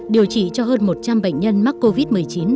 điều trị cho hơn một trăm linh bệnh nhân mắc covid một mươi chín